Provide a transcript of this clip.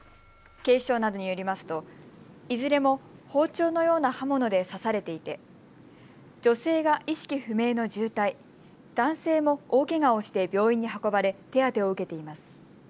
警視庁などによりますといずれも包丁のような刃物で刺されていて女性が意識不明の重体、男性も大けがをして病院に運ばれ手当てを受けています。